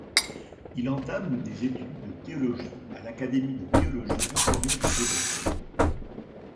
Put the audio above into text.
Il entame des études de théologie à l'Académie de théologie réformée de Debrecen.